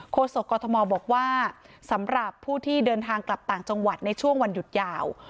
โศกกรทมบอกว่าสำหรับผู้ที่เดินทางกลับต่างจังหวัดในช่วงวันหยุดยาว